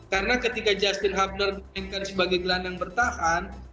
karena ketika justin hubner dimainkan sebagai gelandang bertahan